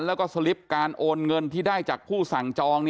แล้วก็สลิปการโอนเงินที่ได้จากผู้สั่งจอง